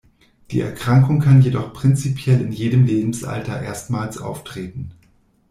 Die Erkrankung kann jedoch prinzipiell in jedem Lebensalter erstmals auftreten.